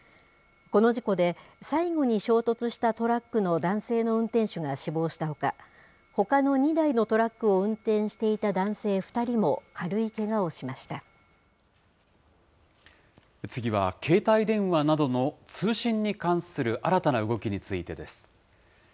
この事故で、最後に衝突したトラックの男性の運転手が死亡したほか、ほかの２台のトラックを運転していた男性２人も軽いけがをしまし次は、携帯電話などの通信に関する新たな動きについてです。